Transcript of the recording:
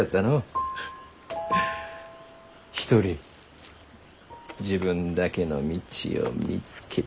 一人自分だけの道を見つけて。